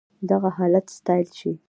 دغه حالت ستايل شي.